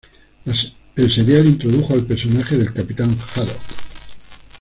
El serial introdujo el personaje del Capitán Haddock.